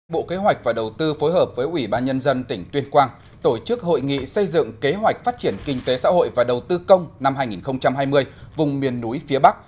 bộ kế hoạch và đầu tư phối hợp với ủy ban nhân dân tỉnh tuyên quang tổ chức hội nghị xây dựng kế hoạch phát triển kinh tế xã hội và đầu tư công năm hai nghìn hai mươi vùng miền núi phía bắc